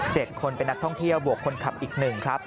คนเป็นนักท่องเที่ยวบวกคนขับอีกหนึ่งครับ